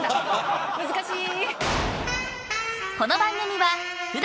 難しい。